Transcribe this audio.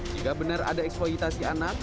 jika benar ada eksploitasi anak